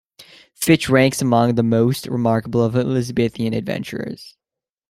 Fitch ranks among the most remarkable of Elizabethan adventurers.